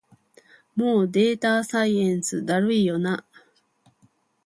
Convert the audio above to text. もうデータサイエンスだるいよな